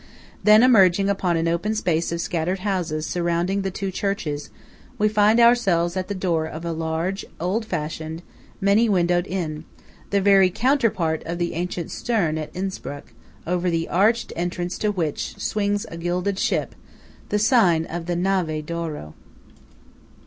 Then, emerging upon an open space of scattered houses surrounding the two churches, we find ourselves at the door of a large, old fashioned, many windowed inn, the very counterpart of the ancient "Stern" at Innspruck, over the arched entrance to which swings a gilded ship–the sign of the Nave d'Oro.